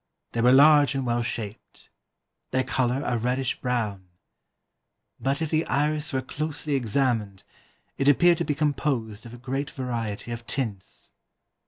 They were large and well shaped, their colour a reddish brown, but if the iris were closely examined, it appeared to be composed of a great variety of tints.